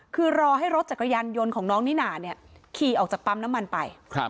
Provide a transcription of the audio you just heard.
คือรอให้รถจักรยานยนต์ของน้องนิน่าเนี่ยขี่ออกจากปั๊มน้ำมันไป